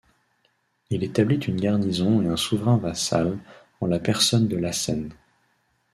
Il établit une garnison et un souverain vassal, en la personne de Lhacène.